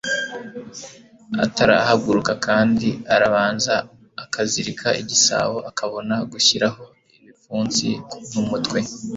Atarahaguruka kandi ,arabanza akazirika igisabo, akabona gushyiraho ibipfunsi n’umutwe